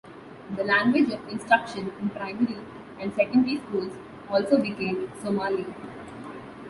The language of instruction in primary and secondary schools also became Somali.